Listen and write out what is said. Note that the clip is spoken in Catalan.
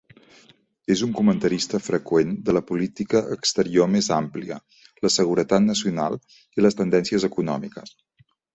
És un comentarista freqüent de la política exterior més àmplia, la seguretat nacional i les tendències econòmiques.